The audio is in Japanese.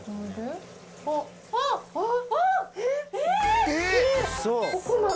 あっ。えっ。